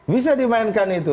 bisa dimainkan itu